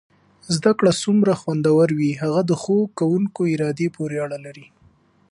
زده کړه څومره خوندور وي هغه د ښو کوونکو ارادې پورې اړه لري.